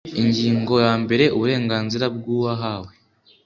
ingingo yambere uburenganzira bw uwahawe